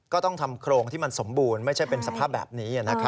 ก็ต้องทำโครงที่มันสมบูรณ์ไม่ใช่เป็นสภาพแบบนี้